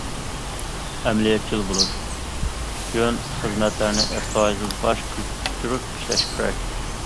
« ئەمەلىيەتچىل بولۇش» ئۈچۈن، خىزمەتلەرنى ئەستايىدىل، باش چۆكۈرۈپ ئىشلەش كېرەك.